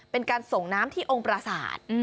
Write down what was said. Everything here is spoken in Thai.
เป็นการส่งน้ำที่องค์ประสาท